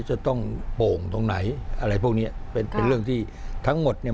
จะต้องโป่งตรงไหนอะไรพวกเนี้ยเป็นเป็นเรื่องที่ทั้งหมดเนี่ย